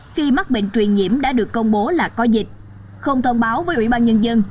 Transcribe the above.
khi mắc bệnh truyền nhiễm đã được công bố là có dịch không thông báo với ủy ban nhân dân